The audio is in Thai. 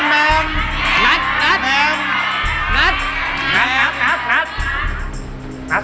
พี่ฟองอีก๑ดวงดาว